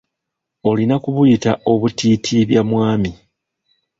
Olina kubuyita obutiitiibyamwami.